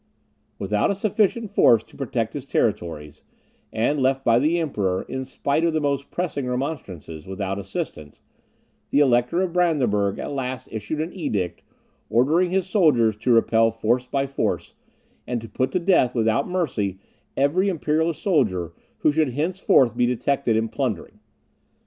Without a sufficient force to protect his territories, and left by the Emperor, in spite of the most pressing remonstrances, without assistance, the Elector of Brandenburg at last issued an edict, ordering his subjects to repel force by force, and to put to death without mercy every Imperial soldier who should henceforth be detected in plundering.